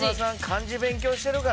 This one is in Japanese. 漢字勉強してるからな。